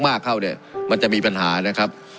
มากเข้าเนี่ยมันจะมีปัญหานะครับ